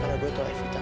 karena gue tahu evita